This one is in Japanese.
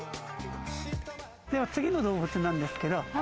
では次の動物なんですけど。